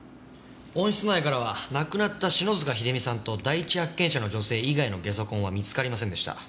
温室内からは亡くなった篠塚秀実さんと第一発見者の女性以外のゲソコンは見つかりませんでした。